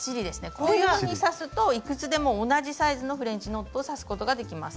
こういうふうに刺すといくつでも同じサイズのフレンチノットを刺すことができます。